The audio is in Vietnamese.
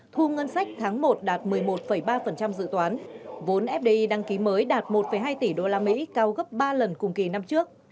thu ngân sách tháng một đạt một mươi một ba dự toán vốn fdi đăng ký mới đạt một hai tỷ usd cao gấp ba lần cùng kỳ năm trước